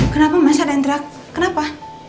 kenapa masih ada yang terak kenapa